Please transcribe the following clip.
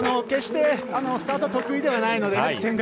決してスタート得意ではないので。